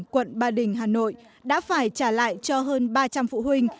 quận ba đình hà nội đã phải trả lại cho hơn ba trăm linh phụ huynh